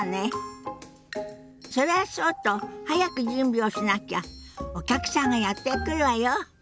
それはそうと早く準備をしなきゃお客さんがやって来るわよ。